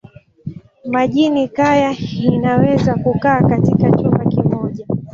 Mjini kaya inaweza kukaa katika chumba kimoja.